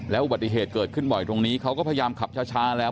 อุบัติเหตุเกิดขึ้นบ่อยตรงนี้เขาก็พยายามขับช้าแล้ว